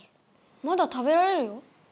まだ食べられるよ。